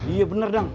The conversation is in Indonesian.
iya benar bang